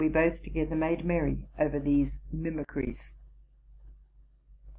both together made merry over these mimicries.